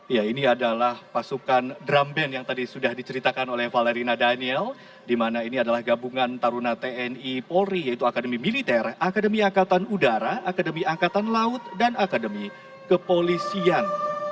ya ini adalah pasukan drum band yang tadi sudah diceritakan oleh valerina daniel di mana ini adalah gabungan taruna tni polri yaitu akademi militer akademi angkatan udara akademi angkatan laut dan akademi kepolisian